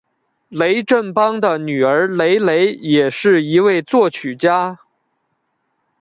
雷振邦的女儿雷蕾也是一位作曲家。